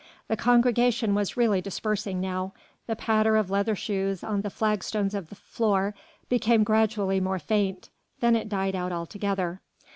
The congregation was really dispersing now, the patter of leather shoes on the flagstones of the floor became gradually more faint; then it died out altogether.